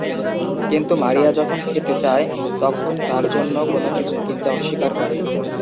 কিন্তু মারিয়া যখন খেতে চায়, তখন তার জন্য কোন কিছু কিনতে অস্বীকার করে।